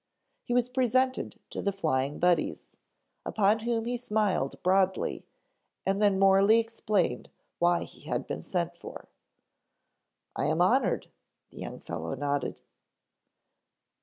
He was presented to the Flying Buddies, upon whom he smiled broadly, and then Morley explained why he had been sent for. "I am honored," the young fellow nodded.